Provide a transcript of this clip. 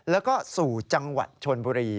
แล้วก็สู่จังหวัดชนบุรี